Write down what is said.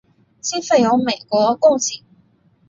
经费由美国供给。